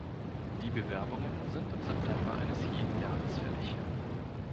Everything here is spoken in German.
Die Bewerbungen sind im September eines jeden Jahres fällig.